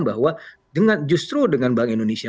bahwa justru dengan bank indonesia